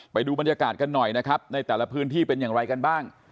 ไปดูบรรยากาศกันหน่อยนะครับในแต่ละพื้นที่เป็นอย่างไรกันบ้าง